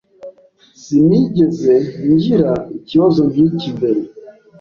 Sinigeze ngira ikibazo nkiki mbere.